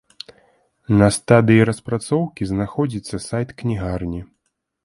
На стадыі распрацоўкі знаходзіцца сайт кнігарні.